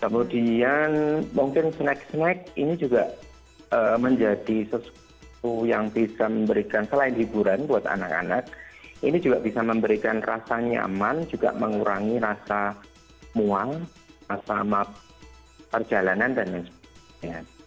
kemudian mungkin snack snack ini juga menjadi sesuatu yang bisa memberikan selain hiburan buat anak anak ini juga bisa memberikan rasa nyaman juga mengurangi rasa muang sama perjalanan dan lain sebagainya